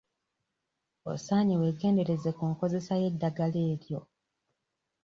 Osaanye weegendereze ku nkozesa y'eddagala eryo.